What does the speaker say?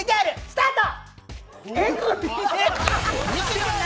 ＶＴＲスタート！